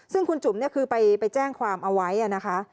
ซึ่งคุณจุ๋มคือไปแจ้งความไว้นะคะ